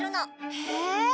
へえ！